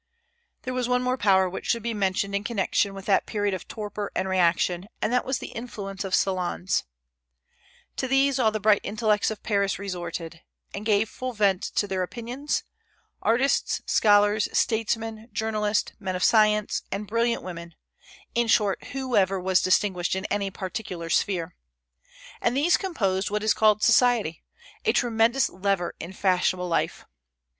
There was one more power which should be mentioned in connection with that period of torpor and reaction, and that was the influence of the salons. To these all the bright intellects of Paris resorted, and gave full vent to their opinions, artists, scholars, statesmen, journalists, men of science, and brilliant women, in short, whoever was distinguished in any particular sphere; and these composed what is called society, a tremendous lever in fashionable life.